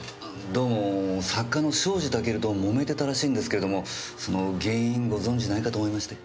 どうも作家の庄司タケルと揉めてたらしいんですけれどもその原因ご存じないかと思いまして。